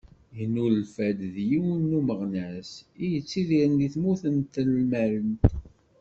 Yennulfa-d din yiwen n umeɣnas i yettidiren di tmurt n Telmant.